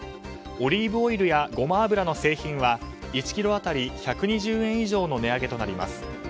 オリーブオイルやごま油の製品は１ｋｇ当たり１２０年以上の値上げとなります。